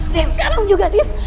dan sekarang juga miss